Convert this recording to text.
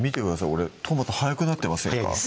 俺トマト速くなってませんか？